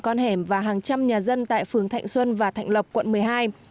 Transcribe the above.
con hẻm và hàng trăm nhà dân tại phường thạnh xuân và thạnh lộc quận một mươi hai